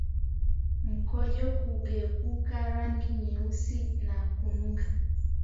Mkojo kugeuka rangi nyeusi na kunuka